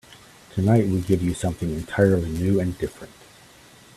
Tonight we give you something entirely new and different.